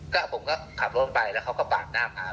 ก็ผมก็ขับรถไปแล้วเขาก็ปาดหน้ามา